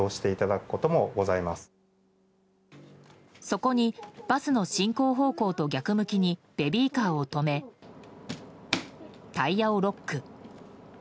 そこにバスの進行方向と逆向きにベビーカーを止めタイヤをロック。